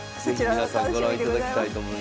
是非皆さんご覧いただきたいと思います。